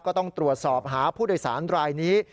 ก็ต้องตรวจสอบหาผู้โดยสารรายนี้